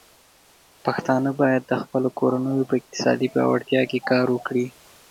پښتانه بايد د خپلو کورنيو په اقتصادي پياوړتيا کې کار وکړي.